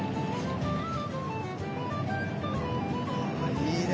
あいいね。